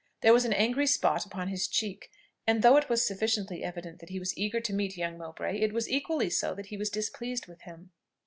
There was an angry spot upon his cheek, and though it was sufficiently evident that he was eager to meet young Mowbray, it was equally so that he was displeased with him.